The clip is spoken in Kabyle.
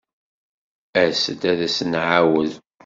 As-d ad as-nɛawed.